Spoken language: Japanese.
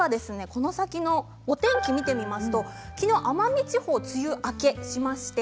この先のお天気を見てみますと、きのう奄美地方が梅雨明けをしました。